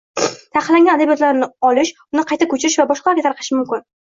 taqiqlangan adabiyotlarni olishi, uni qayta ko‘chirishi va boshqalarga tarqatishi mumkin.